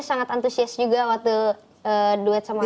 sangat antusias juga waktu duet sama